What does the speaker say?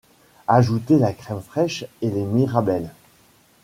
Ajouter la crème fraîche et les mirabelles.